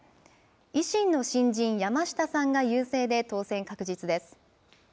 維新の新人、山下さんが優勢で当選確実です。